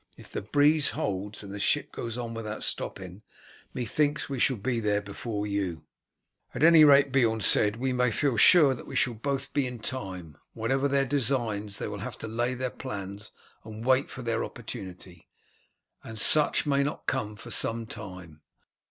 If the breeze holds and the ship goes on without stopping, methinks we shall be there before you." "At any rate," Beorn said, "we may feel sure that we shall both be in time. Whatever their designs they will have to lay their plans and wait their opportunity, and such may not come for some time.